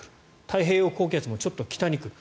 太平洋高気圧もちょっと北に来る。